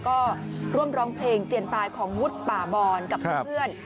ก็ร่วมร้องเพลงเจียนตายของวุฒิป่าบอนกับเพื่อน